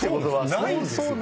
ないんですよ